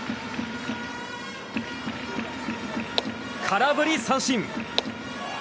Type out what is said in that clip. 空振り三振！